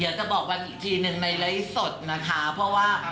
อยากจะบอกวันอีกทีหนึ่งในไร้สดนะคะ